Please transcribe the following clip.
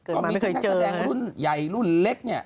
เกิดมาไม่เคยเจอนักแสดงรุ่นใหญ่รุ่นเล็ก